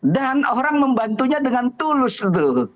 dan orang membantunya dengan tulus itu